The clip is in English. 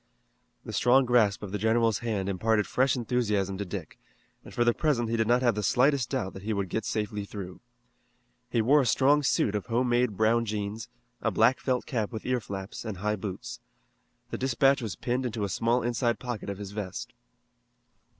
The strong grasp of the general's hand imparted fresh enthusiasm to Dick, and for the present he did not have the slightest doubt that he would get safely through. He wore a strong suit of home made brown jeans, a black felt cap with ear flaps, and high boots. The dispatch was pinned into a small inside pocket of his vest.